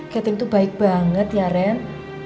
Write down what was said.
catherine tuh baik banget ya ren